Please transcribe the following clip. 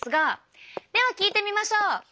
では聞いてみましょう。